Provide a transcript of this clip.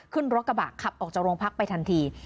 ขึ้นรถกระบะขับออกจากโรงพักไปทันที